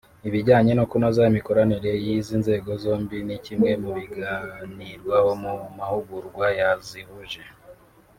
Ibijyanye no kunoza imikoranire y’izi nzego zombi ni kimwe mu biganirwaho mu mahugurwa yazihuje